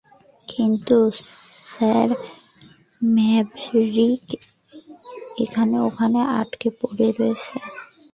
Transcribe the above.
কিন্তু, sir, Maverick এখনো ওখানে আটকা পড়ে রয়েছে।